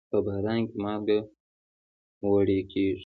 په باران کې مالګه وړي کېږي.